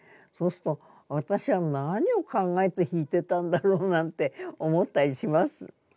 そうすると私は何を考えて弾いてたんだろうなんて思ったりします。